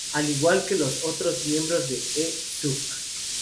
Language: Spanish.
Al igual que los otros miembros de "E. subg.